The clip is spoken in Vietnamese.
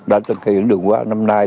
đã thực hiện đường hoa năm nay